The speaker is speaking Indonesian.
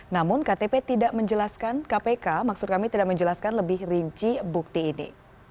namun ktp tidak menjelaskan kpk maksud kami tidak menjelaskan lebih rinci bukti ini